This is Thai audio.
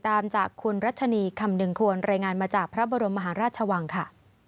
ตามจากคุณรัชนีคำหนึ่งควรรายงานมาจากพระบรมมหาราชวังค่ะ